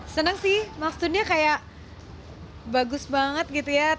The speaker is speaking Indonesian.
senang sih maksudnya kayak bagus banget gitu ya